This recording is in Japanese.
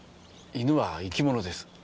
犬は生き物です。